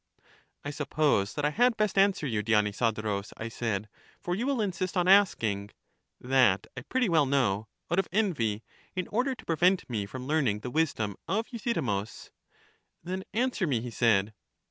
I suppose that I had best answer you, Dionysodo rus, I said, for you will insist on asking — that I pretty well know — out of envy, in order to prevent me from learning the wisdom of Euthydemus. 260 EUTHYDEMUS Then answer me, he said.